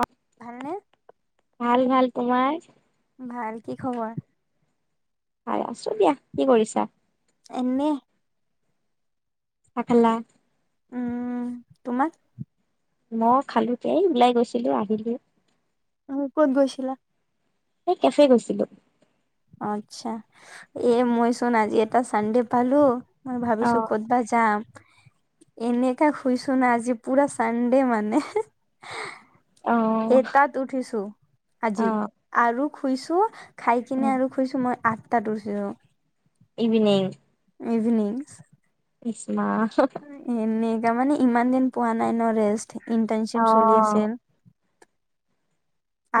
অ ভালনেে ভাল ভাল তোমাৰ ভাল কি খবৰ আৰু আছো দিয়া কি কৰিছা এনেই পাকেলা উম তোমাত ম খালোতে ওলাই গৈছিলো আহিলো অ ক'ত গছিলিলা এই কেফে গৈছিলো আচ্ছা এ মই চোন আজি এটা চানডে পালো মই অ ভাবিছো ক'তবা যাম এনেকাে শুইছো ন আজি পুৰা চানডে মানে অ এ তাত উঠিছো আজি অ আৰু শুইছো খাই উম কিনে আৰু খুইছো মই আঠটাাত ছো ইভিনিং ইভিনিং ইচমা তাৰ মানে ইমান দিন পোৱা নাই ন ৰেষ্ট, অ ইণ্টাৰ্নশ্বিপ চলি আছিল।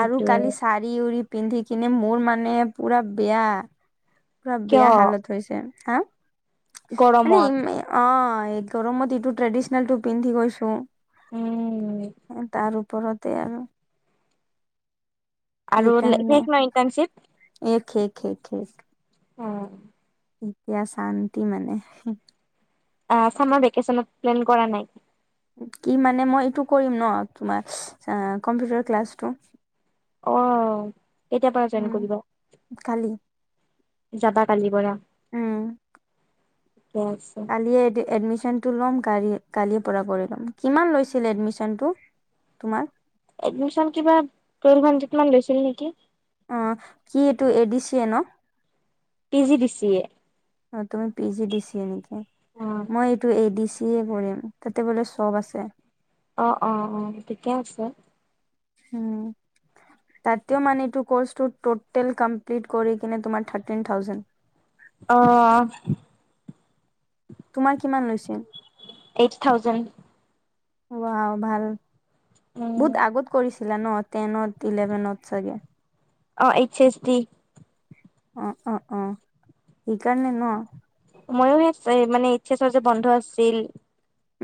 আৰু কালি চাৰি-উৰি পিন্ধি কিনে, মোৰ মানে পুৰা বেয়া পুৰা কিয় বেয়া হালত হৈছে। হা গৰমত মানে অ এই গৰমত ইটো ট্ৰেডিচনেল টো পিন্ধি গৈছো। উম তাৰ ওপৰতে আৰু আৰু এইকাৰণে। শেষ ন ইণ্টাৰ্ণশ্বিপ এক এক এক এক অ এতিয়া শান্তি মানে। চাৰ ভেকনত প্লেন কৰা নাই? কি মানে মই এইটো কৰিম ন, তোমাৰ কম্পিউটাৰ ক্লাছটো আহ কেতিয়াৰ পৰা জইন উম কৰিব? কালি যাবা কালিৰ পৰা উম ঠিকে আছে কালি এডমিশন টো ল'ম কালি কালিৰ পৰা কৰি ল'ম। কিমান লৈছিল এডমিশন টো তোমাৰ? এডমিশন কিবা টোৱেলভ হানদ্ৰেদ মান লৈছিল নেকি। অ কি এইটো এ দি চি এ ন? P G B C A. অ তুমি পি জি দিছিয়ে নেকি। এ মই এইটো এ দি চি যিয়ে কৰিম তাতে বোলে চব আছে। অ অ অ ঠিকে আছে। উম তাতও মানে এইপটো কৰ্চটো টোতেল কম্পিল কৰি কিনে তোমাৰ থাৰ্তিন থাউচেনট আহ তোমাৰ কিমান লৈছে? এইট থাউজেণ্ড হোৱাও ভাল উম, বহুত আগত কৰিছিলা ন টেনত-ইলেভেনত চাগে অ এইচ এছ ডি অ অ অ সেইকাৰণে ন ময়ো সেই মানে এইচ এচৰ যে বন্ধ আছিল।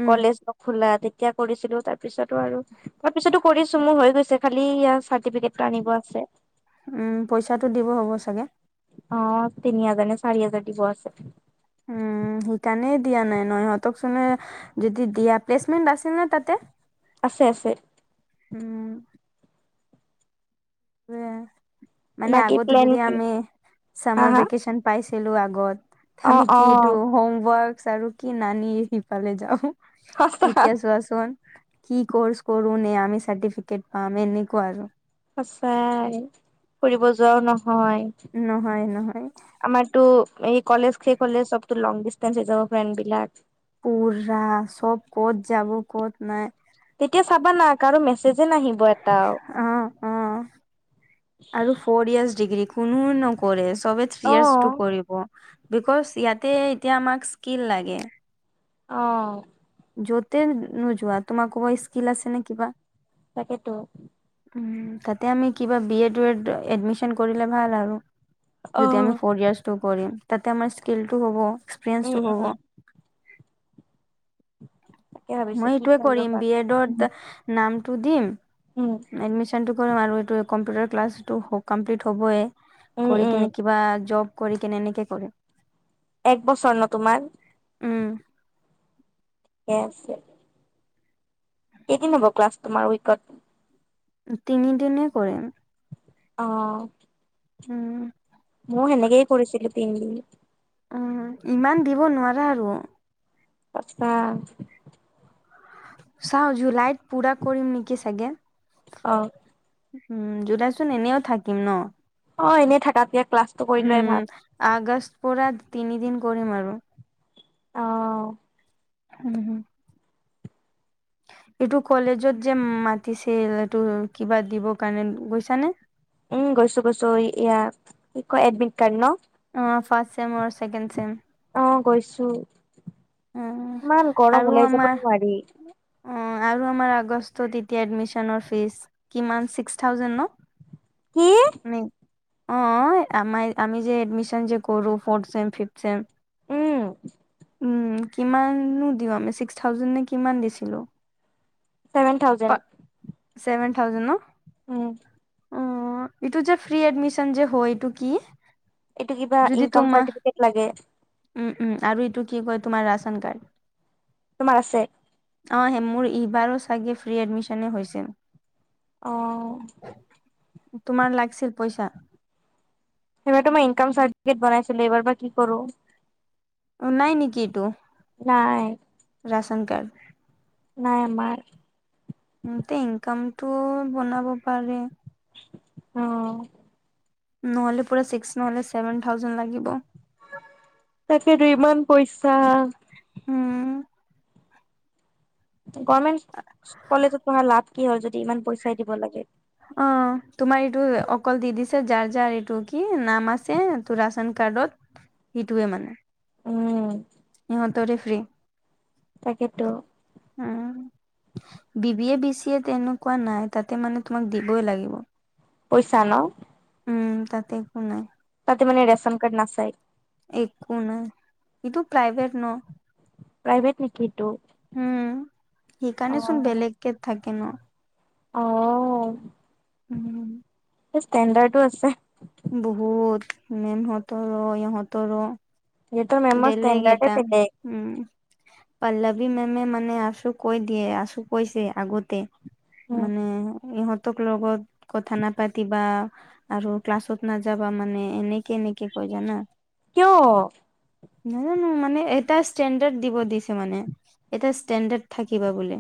উম, কলেজ নখোলা তেতিয়া কৰিছিলো তাৰ পিছতো আৰু তাৰ পিছতো কৰিছো মোৰ হৈ গৈছে, খালি ই চাৰ্টিফিকেটটো আনিব আছে। উম পইচাটো দিব হ'ব চাগে অ তিনি হাজাৰ, নে চাৰি হাজাৰ দিব আছে। উম উম সেইকাৰণে দিয়া নাই ন। ইহঁতক চন যদি দিয়া প্লেচমেন্ত আছিল নে তাতে? আছে আছে। উম উ মানে বাকী আগতো প্লেন যদি কি আমি হা চামাৰ হা ভেকেচন পাইছ ছিলো আগত, অ', আমি কি অ', এইটো হোম ৱৰ্ক আৰু কি নানি সিফালে যাও। সঁচা ইতিহা চোৱাচন কি কৰ্চ কৰো নে, আমি চাৰ্টিফিকেট পাম এনেকুৱ আৰু সঁচায় ফুৰিব যোৱাও নহয় হয়। নহয় নহয় আমাৰটো এই কলেজ শেষ হলে চব লং হৈ যাব ফ্ৰেণ্ড বিলাক পুৰা চব ক'ত যাব ক'ত নাই তেতিয়া চাবা না, কাৰো মেছেজে নাহিব এটাও। অ অ আৰু ফৰ ইয়াৰছ ডিগ্ৰী কোনো নকৰে চবে থ্ৰি অ', ইয়াৰ্চটো কৰিব। বিকজ ইয়াতে এতিয়া আমাক স্কিল লাগে অ য'তে নোযোৱা তোমাৰ ক'ৰবাত স্কিল আছে নে কিবা। তাকেইতো উ, তাতে আমি কিবা বি এড উ এড এডমিচন কৰিলে ভাল আৰু। যদি আমি উম, ফ'ৰ ইয়াৰ্চ টু কৰিম তাতে আমাৰ স্কিলটো হ'ব এক্সপেৰিয়েন্ঞ্চটো হ'ব। উম। তাকে ভাবিছো মই কি এইটোৱে কম কৰিম ৰ'বা। বি এডৰ নামটো দিম উম, এডমিচন আৰু এইটো কম্পিউটাৰ ক্লাছটো কমপ্লিট হ'বয়ে উম, কৰি উম, কিনে কিবা জব। কৰি কিনে এনেকে কৰে। এক বছৰ ন তোমাৰ উম ঠিকে আছে এইদিন হব ক্লাছ তোমাৰ উইকত তিনি দিনে কৰে। অ', উম, মোৰ সেনেকে কৰিছিলি তিনদিন। উম, ইমান দিব নোৱাৰা আৰু। পইছা চাও জুলাইত পুৰা কৰিম নেকি চাগে। অ, উম, জুলাইতচোন এনেও থাকিম ন। অ, এনেই থাকাতাকে উম, আগষ্ট পৰা তিনিদিন কৰিম আৰু। অহ হম-হম, উ [inaudible] এইটো কলেজত যে মাতিছিল এইটো কিবা দিবৰ কাৰণে গৈছানে? উম, গৈছো-গৈছো ই কি কয় এডমিট কাৰ্ড ন। চে মোৰ চছেকেণ্ড চেম। অ, গৈছো চেম ইমান গৰম আৰু ওলাই যাব আমাৰ নোৱাৰি। অ' আৰু আমাৰ আগষ্টত এতিয়া এডমিশনৰ ফিজ কিমান ছিক্স থাউজেণ্ড ন। কি? অ' আৰ আমি যে এডমিচন যে কৰো ফৰ্দ ছেম ফিফ ছেম। উম, উ, কিমানো দিওঁ আমি ছিক্স থাউজেণ্ড নে কিমান দিছিলো। Seven thousand. থাউজে ন। উম, অহ, এইটো যে ফ্ৰী এডমিশন যে হয় এইটো কি? এইটো কিবা ইনকাম চাৰ্টিফিকেট লাগে। উম-উম আৰু এইটো কি কয় তোমাৰ ৰাচন কাৰ্ড। তোমাৰ আছে। অ' সে মোৰ এইবাৰো চাগে ফ্ৰী এডমিশনে হৈছে। অহ, তোমাৰ লাগিছিল পইচা? সেইবাৰ তোমাৰ ইনকাম চাৰটি ফিকেত বনাইছিল এইবাৰ বা কি কৰো। উ, নাই নেকি এইটো। নাই। শক [unintelligible] নাই আমাৰ। ইনকামতটো বনাব পাৰে। অহ, নহলি পোৰা ছিক্স নহলে চেভেন থাওযেন লাগিব। তাকেতো ইমান পইচা উম গভমেন্ট কলেজত পঢ়া লাভ কি হ'ল যদি ইমান পইচাই দিব লাগে অ তোমাৰ এইটো অকল দি দিছে যাৰ যাৰ এইটো কি নাম আছে তোৰ ৰাচন কাৰ্ডত সটোৱে মানে উম ইহঁতৰে ফ্ৰী তাকেতো উম B B A B C A তেনেকুৱা নাই তাতে মানে তোমাক দিবই লাগিব পইচা ন উম তাতে একো নাই মানে ৰেচন কাৰ্ড নচাই একো নাই ইটোো প্ৰাইভেট ন প্ৰাইভেট নেকিটো উম সেইকাৰণে চুোন বেলেগে থাকে ন অ উম, ষ্টেণ্ডাৰ্ডো আছে বহুত মেনহঁতৰ ইহঁতৰ সিহঁতৰ মেমৰ বেলেিগে ষ্টেণ্ডাৰ্ডে এটা বেলেগ উম পল্লৱী মেমে মানে আছো কৈ দিয়ে আছো কৈছে আগতে মানে ইহঁত লগত কথা নাপাতিবা আৰু ক্লাছত নাযাবা মানে এনেকে এনেকে ক জানা কিয় নাজানো মানে এটা ষ্টেণ্ডাৰ্ড দিব দিছে মানে এটা ষ্টেণ্ডাৰ্ড থাকিবা বুলিোলে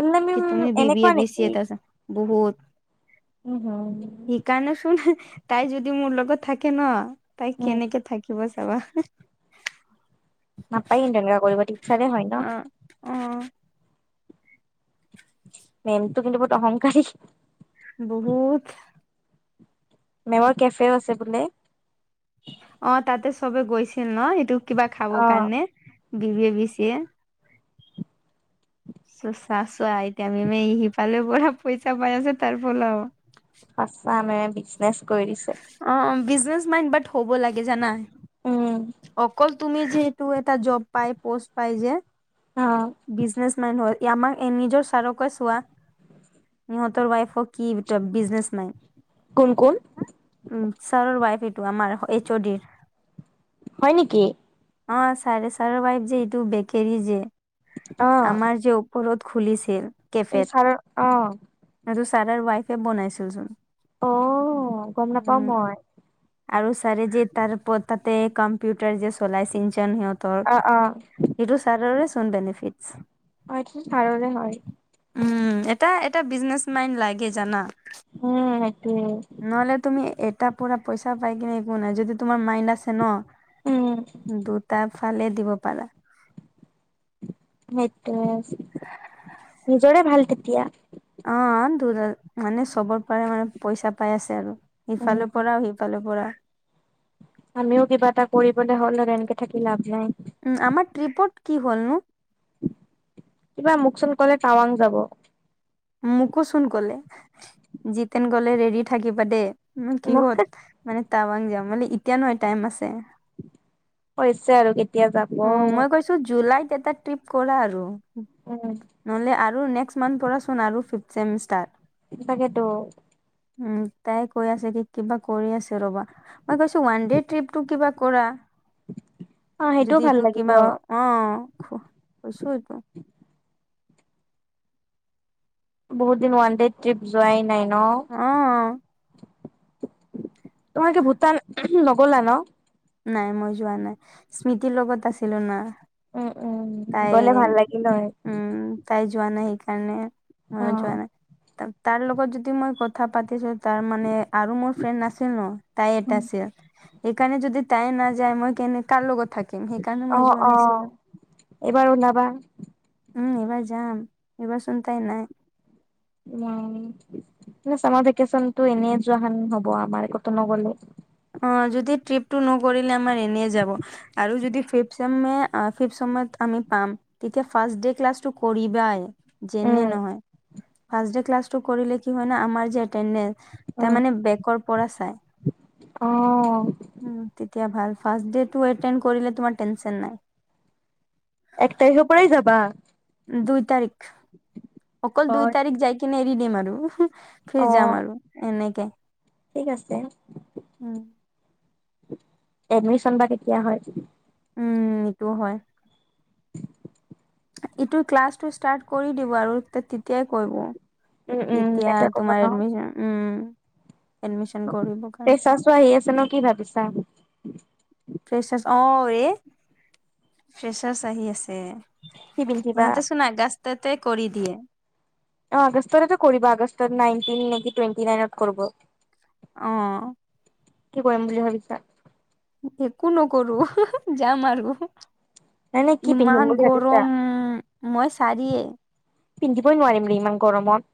অল্লামি কি তুমি বি বি এ এনেকুৱা বি চি নেকি এ ত আ বহুত উম হম শেইিকণে শুনা তাই যদি মোৰ লগত থাকে ন তাই উম কেনেকে থাকিব চাবা নাপায় তেনেকুৱা কৰিব টিপচাৰে হয় ন অ অ মেমটো কিন্তু বহুত অহংকাৰী বহুত মেৱৰ কেফেও আছে বোলে অ তাতে চবে গৈছিল ন সেইটো কিবা খাব অ কাৰণে বিব বিছেিয় চ চা চোৱা এতিয়ামি মহি পালে পৰা পইচা পাই আছে তাৰপল আছামে বিজনেচ কৰিছে অ বিজনেচ মাইণ্ড বাট হ'ব লাগে জানাই উম তুমি যিহেতু এটা জব পাই পষ্ট পাই যে অ বিজনেচমেন হল আমাক নিজৰ ছাৰকে চোৱা [unintelligible] ৱাইফক কি, এতিয়া বিজনেছমেন কোন কোন [inaudible] [unintelligible] আমাৰ এইচ, অ, ডি, ৰ হয় নেকি? অ চাৰে চাৰ বাই যে এইটো বেটেৰী যে, আমাৰ যে ওপৰত খুলিছিল। এই কেফেত চাৰৰ অ। [unintelligible] ছাৰৰ ৱাইফে বনাইছিলচোন। অ গম নাপাওঁ মই। আৰু ছাৰে যে তাৰ উপৰত তাতে কম্পিউটাৰ যে চলাইছিল। [unintelligible] [unintelligible] সিহঁতৰ অ অ [unintelligible] ছাৰৰেচোন বেনিফিট। [unintelligible] ছাৰৰে হয়। উম এটা, এটা বিজনেচ মাইন লাগে জানা। উম সেইটোৱে নহ'লে তুমি এটা। পুৰা পইচা পাই কিনে একো নাই, যদি তোমাৰ মাইন আছে নহ, উম দুটা। ফালে দিব পাৰা। সেইটোৱে নিজৰে ভাল তেতিয়া। অ [unintelligible] মানে চবৰ পৰা পইচা পাই আছে আৰু। উম ইফালৰ পৰাও সেইফালৰ পৰা। আমিও কিবা এটা কৰিবলে হ'লে এনেকে থাকি লাভ নাই। উম আমাৰ ট্ৰিপৰ্ট কি হ'লনো? কিবা মোক চোন ক'লে টাৱাং যাব। মোকোচোন ক'লে, জিতেন গ'লে ৰেডি থাকিবা দে। উম মোক কিহত? মানে টাৱাং যাম মানে এতিয়া নহয় টাইম আছে। হৈছে আৰু কে। উ মই কৈছোঁ জুলাইত। [unintelligible] ট্ৰিপ কৰা আৰু, উম নহ'লে আৰু নেক্স মান্থৰ পৰাচোন আৰু ফিফ্টচেম ষ্টাৰ্ট। তাকেতো। উ তাই কৈ আছে কি কিবা কৰি আছে ৰবা, মই কৈছোঁ ওৱান দে ট্ৰিপটো কিবা কৰা। অ সেইটোও যদি ভাল তোৰ লাগিব কিবা অ [unintelligible] কৈছোঁ এইটো। বহুত দিন ওৱান ডে ট্ৰিপ যোৱাই নাই নহ। অ', তোমালোকে ভূটান নগ'লা নহ। নাই মই যোৱা নাই। স্মৃতিৰ লগত আছিলোঁ না। উম উম তাই গলে ভাল লাগিল হয় উম তাই যোৱা নাই। [unintelligible] অ মই যোৱা নাই। তাৰ লগত যদি মই কথা পাতিছোঁ তাৰ মানে। আৰু মোৰ ফ্ৰেণ্ড নাছিল নহ, তাই এটা আছিল, সেইকাৰণে যদি তাই নাযায় মই কেনে কাৰ লগত। থাকিম সেইকাৰণে অ মই যোৱা অ নাছিলো। এইবাৰ ওলাবা। উম এইবাৰ যাম। এইবাৰ চোন তাই নাই। অহ চামাৰ ভেকেচনটো এনে যোৱা হেন হ'ব আমাৰ, ক'তো নগ'লে। অ যদি ট্ৰিপটো নকৰিলে আমাৰ এনে যাব আৰু যদি ফিফ্ট চেমেয়ে ফিফ্ট চেমত। পাম তেতিয়া ফাৰ্ষ্ট ডে ক্লাছটো কৰিবাই, যেনে উম নহয়। ফাৰ্ষ্ট ডে ক্লাছটো কৰিলে কি হয় না, আমাৰ যে এটেণ্ডেন। তাৰমানে বেকৰ পৰা চায়। অহ। ফাৰ্ষ্ট ডে-টো এটেণ্ড কৰিলে তোমাৰ টেনচন নাই। এক তাৰিখৰ পৰাই যাবা। দুই তাৰিখ। অকল অ দুই তাৰিখ যাই কিনে এৰি দিম আৰু। অ ফিৰ যাম আৰু এনেকে। ঠিক আছে। উম এডমিশ্বন বা কেতিয়া হয়। উম এইটোও হয়। ইটো ক্লাছটো ষ্টাৰ্ট কৰি দিব আৰু তে-তেতিয়াই কইৱো। উম উম তেতিয়া এতিয়া কব তোমাৰ এডমিচন উম। এডমিশন কৰিব কাৰণে ফ্ৰেছাচো আহি আছে ন কি ভাবিছা? ফ্ৰেচাৰছ অ, ৱে ফ্ৰেচাৰছ আহি আছে। কি পিন্ধিবা ইহঁতে চোন আগাষ্টেতে কৰি দিয়ে। আগষ্টতেটো কৰিব আগষ্টৰ নাইনটিন নেকি টুৱেণ্টি নাইনত কৰিব। অ'। কি কৰিম বুলি ভাবিছা? একো নকৰো যাম আৰু। নাই নাই কি পিন্ধিম ইমান বুলি ভাবিছা? গৰম মই চাৰিয়ে। পিন্ধিবই নোৱাৰিম ৰে ইমান গৰমত।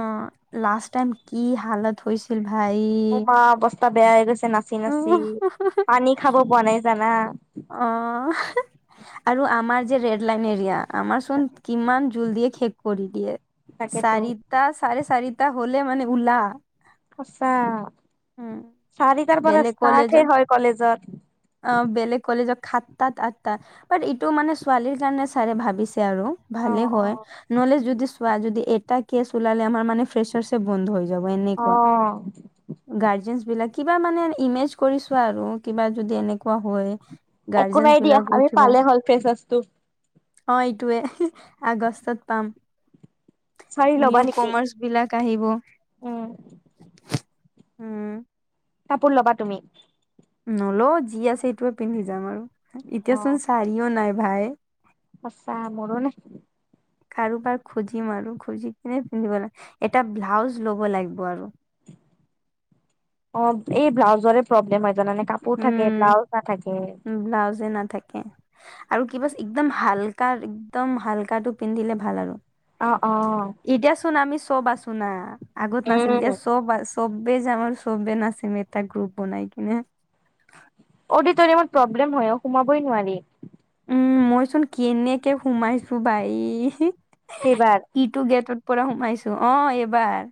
অ', লাষ্ট টাইম কি হালত হৈছিল ভাই। মোৰ মা অৱস্থা বেয়া হৈ গৈছে নাচি-নাচি অ' পানী খাব পোৱা নাই জানা। অ' আৰু আমাৰ যে ৰেড লাইন এৰিয়া, আমাৰ চোন কিমান জোল দিয়ে খেক কৰি দিয়ে। তাকেতো চাৰিটা চাৰে চাৰিটা হলে মানে উলা। সঁচা। চাৰিটাৰ পৰা বেলেগ ষ্টাৰ্ট হে কলেজত হয় অ', কলেজত। বেলেগ কলেজত সাতটাত আঠটাত বাট ইটো মানে ছোৱালীৰ কাৰণে ছাৰে ভাবিছে। আৰু অ ভালে অ হয় নহলে যদি। আৰু যদি এটা কেচ উলালে আমাৰ মানে ফ্ৰেছাৰচে বন্ধ হয়। অ'। জিনছ বিলাক কিবা মানে ইমেজ কৰিছো আৰু কিবা যদি এনেকুৱা হয়। একো গাৰ্জেনচ নাই দিয়া বিলাক আমি উঠিব পালে হ'ল ফ্ৰেছাচটো। অ', এইটোৱে আগষ্টত পাম চাৰি ল'বা নিউ নেকি? কমাৰ্চ বিলাক। কাঢ়িব। উম উম, কাপোৰ ল'বা তুমি? নলওঁ যি আছে সেইটোৱে পিন্ধি যাম আৰু এতিয়াচোন চাৰিও নাই ভাই। সচা মৰ নাই। কাৰোবাৰ খুজিম আৰু খুজি কিনে পিন্ধিব লাগে এটা ব্লাউজ লব লাগিব আৰু। অ', এই ব্লাউজ প্ৰব্লেম হয়। জানানে কাপোৰ থাকে উম ব্লাউজ নাথাকে। ব্লাউজে নাথাকে আৰু কিবাচ একদম হালকা একদম হালকাটো পিন্ধিলে ভাল আৰু। অ', অ'। এতিয়া চোন আমি চব আছো না আগত নাছিল এতিয়া চব-চব। বেজ আমাৰ চবে নাছিম এটা গ্ৰুপ বনাই কেনাই। অডিটৰিয়ামত প্ৰব্লেম হয় অ' সোমাবই নোৱাৰি। উম, মই চোন কেনেকে সোমাইছো বাই সেইবাৰ। ইটো গেটত। পৰা সোমাইছো অ' এইবাৰ।